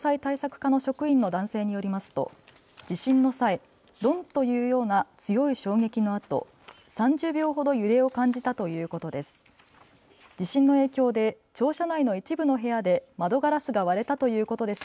課の職員の男性によりますと地震の際、ドンというような強い衝撃のあと３０秒ほど揺れを感じたということです。